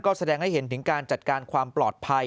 ก็แสดงให้เห็นถึงการจัดการความปลอดภัย